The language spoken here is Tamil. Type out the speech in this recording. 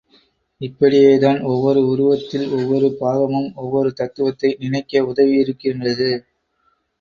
இப்படியேதான் ஒவ்வொரு உருவத்தில் ஒவ்வொரு பாகமும் ஒவ்வொரு தத்துவத்தை நினைக்க உதவியிருக்கின்றது.